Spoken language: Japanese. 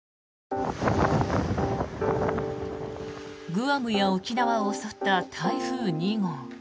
グアムや沖縄を襲った台風２号。